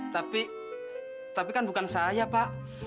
tapi tapi kan bukan saya pak